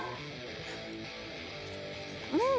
うん！